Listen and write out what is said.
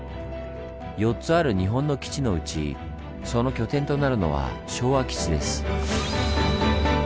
４つある日本の基地のうちその拠点となるのは昭和基地です。